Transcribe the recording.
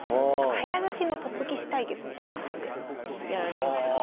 早指しのトップ棋士対決みたいな感じでやられてましたね。